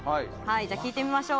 聞いてみましょう。